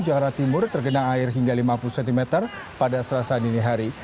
jawara timur tergenang air hingga lima puluh cm pada selasa dini hari